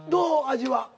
味は。